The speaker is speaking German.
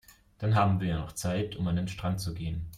Dann haben wir ja noch Zeit, um an den Strand zu gehen.